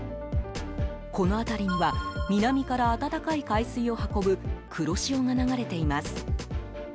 この辺りには南から暖かい海水を運ぶ黒潮が流れています。